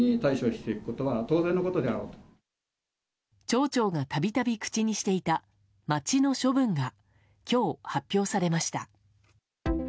町長が度々口にしていた町の処分が今日、発表されました。